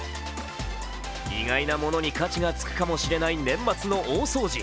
意外なものに価値がつくかもしれない年末の大掃除。